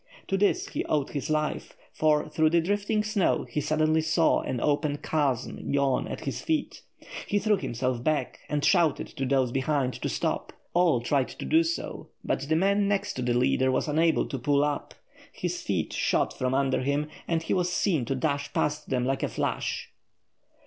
To this he owed his life, for, through the drifting snow, he suddenly saw an open chasm yawn at his feet. He threw himself back and shouted to those behind to stop. All tried to do so, but the man next to the leader was unable to pull up. His feet shot from under him, and he was seen to dash past them like a flash.